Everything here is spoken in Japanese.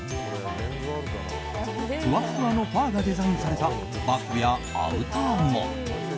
ふわっふわのファーがデザインされたバッグやアウターも。